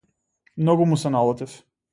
Многу му се налутив.